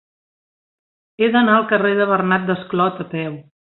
He d'anar al carrer de Bernat Desclot a peu.